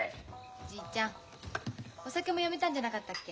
おじいちゃんお酒もやめたんじゃなかったっけ。